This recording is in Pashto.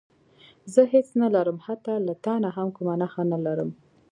زه هېڅ نه لرم حتی له تا نه هم کومه نښه نه لرم.